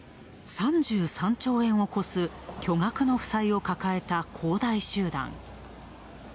３３兆円を超す巨額の負債を抱えた恒大集団。